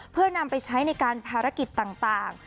เพื่อนำไปใช้ในการภารกิจต่าง